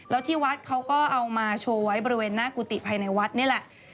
แล้วที่วัดเขาก็เอามาโชว์ไว้บริเวณหน้ากุฏิภายในวัดนี่แหละ